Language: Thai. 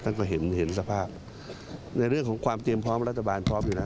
ท่านก็เห็นสภาพในเรื่องของความเตรียมพร้อมรัฐบาลพร้อมดีนะ